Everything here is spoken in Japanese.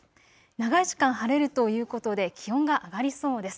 長い時間、晴れるということで気温が上がりそうです。